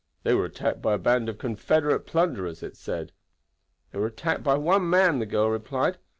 They were attacked by a band of Confederate plunderers, it said." "They were attacked by one man," the girl replied.